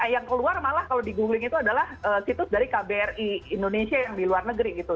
yang keluar malah kalau di googling itu adalah situs dari kbri indonesia yang di luar negeri gitu